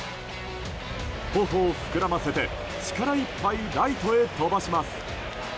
頬を膨らませて力いっぱいライトへ飛ばします。